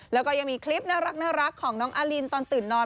แล้วก็ยังมีคลิปน่ารักของน้องอาลินตอนตื่นนอน